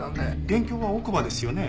元凶は奥歯ですよね？